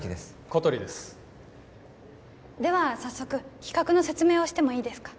小鳥ですでは早速企画の説明をしてもいいですか？